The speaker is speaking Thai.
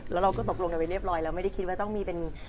แล้วเราก็ตกลงกันไปเรียบร้อยแล้วไม่ได้คิดว่าต้องมีเป็น